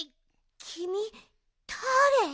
きみだれ？